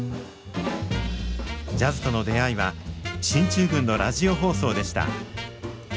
ジャズとの出会いは進駐軍のラジオ放送でした。